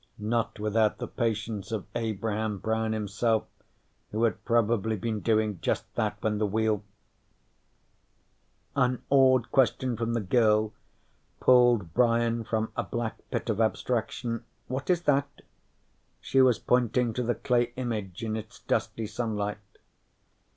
Not without the patience of Abraham Brown himself, who had probably been doing just that when the wheel An awed question from the girl pulled Brian from a black pit of abstraction: "What is that?" She was pointing to the clay image in its dusty sunlight.